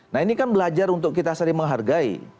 nah ini kan belajar untuk kita saling menghargai